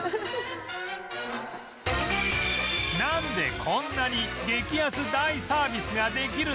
なんでこんなに激安大サービスができるのか？